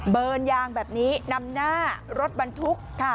เดินยางแบบนี้นำหน้ารถบรรทุกค่ะ